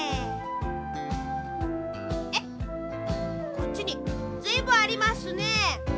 こっちにずいぶんありますね。